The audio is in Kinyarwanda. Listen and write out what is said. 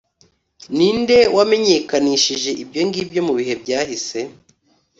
ni nde wamenyekanyije ibyo ngibyo mu bihe byahise,